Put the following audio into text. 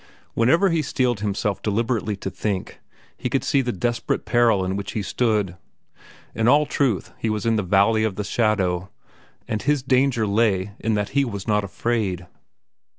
Whenever he steeled himself deliberately to think, he could see the desperate peril in which he stood. In all truth, he was in the Valley of the Shadow, and his danger lay in that he was not afraid.